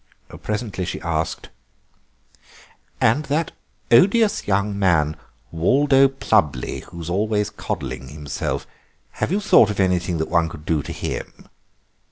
Presently she asked: "And that odious young man, Waldo Plubley, who is always coddling himself—have you thought of anything that one could do to him?"